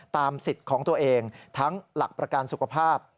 สิทธิ์ของตัวเองทั้งหลักประกันสุขภาพ